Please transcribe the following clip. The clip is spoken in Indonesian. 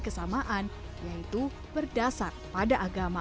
kesamaan yaitu berdasar pada agama